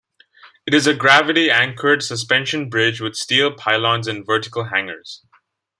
It is a gravity-anchored suspension bridge with steel pylons and vertical hangers.